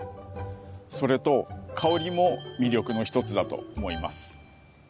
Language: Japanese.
それと香りも魅力の一つだと思います。